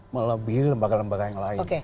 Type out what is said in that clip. melebihi lembaga lembaga yang lain